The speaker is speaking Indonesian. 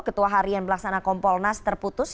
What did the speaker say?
ketua harian pelaksana kompolnas terputus